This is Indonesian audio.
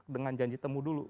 dengan janji temu dulu